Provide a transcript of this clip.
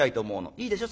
いいでしょ？